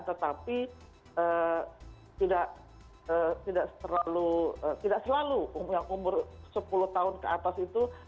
tetapi tidak selalu umur sepuluh tahun ke atas itu